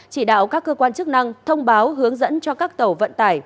chỉ đạo các cơ quan chức năng thông báo hướng dẫn cho các tàu vận tải